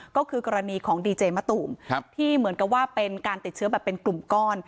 ก็คือกรณีของดีเจมะตูมที่เหมือนกับว่าเป็นการติดเชื้อแบบเป็นกลุ่มก้อน